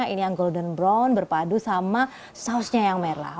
ini yang golden brown berpadu sama sausnya yang merah